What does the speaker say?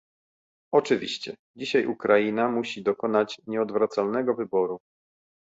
Oczywiście, dzisiaj Ukraina musi dokonać nieodwracalnego wyboru